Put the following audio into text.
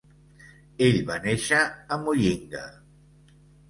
Ell va néixer a Muyinga.